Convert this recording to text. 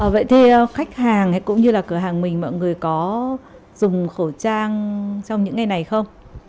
vậy thì khách hàng cũng như là cửa hàng mình mọi người có dùng khẩu trang trong những ngày này không